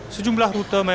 sejumlah rute menanggung